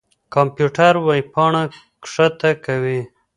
کمپيوټر وېبپاڼه کښته کوي.